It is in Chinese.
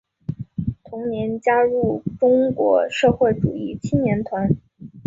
同年加入中国社会主义青年团。